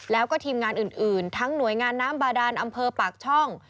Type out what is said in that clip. แล้วก็ทีมงานอื่นทั้งหน่วยงานน้ำบาดานอำเภอปากช่อง